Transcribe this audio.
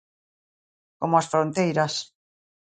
Como as fronteiras.